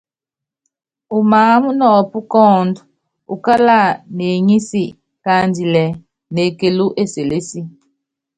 Umááma nɔɔpú kɔ́ɔ́ndú, ukála neŋísi káandilɛ́ nekelú eselési.